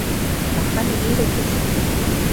— Махань ирӹкӹш?